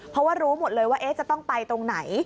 เพราะว่ารู้หมดเลยว่าจะต้องไปตรงไหน